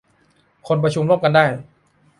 คนประชุมร่วมกันได้